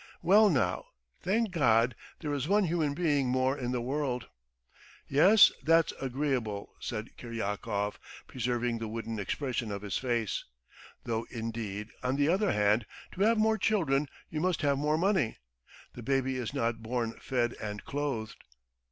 "Well now, thank God, there is one human being more in the world!" "Yes, that's agreeable," said Kiryakov, preserving the wooden expression of his face, "though indeed, on the other hand, to have more children you must have more money. The baby is not born fed and clothed."